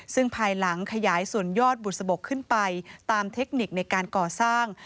ซึ่งภายหลังขยายส่วนยอดบุษบกขึ้นไปตามเทคนิคในการก่อสร้าง